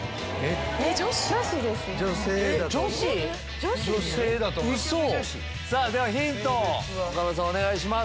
女子？ではヒントを岡村さんお願いします。